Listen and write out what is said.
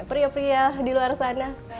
pria pria di luar sana